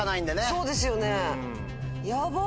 そうですよね。